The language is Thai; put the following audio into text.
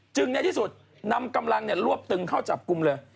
ในที่สุดนำกำลังรวบตึงเข้าจับกลุ่มเลย